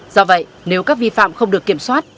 do vậy nếu các vi phạm không được kiểm soát